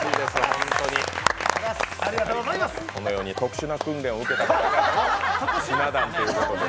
このように特殊な訓練を受けているとひな壇ということで。